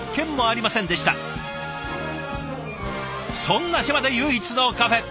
そんな島で唯一のカフェ。